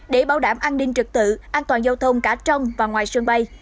để bảo đảm an ninh trực tự an toàn giao thông cả trong và ngoài sân bay